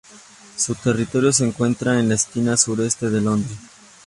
Su territorio se encuentra en la esquina sureste de Londres.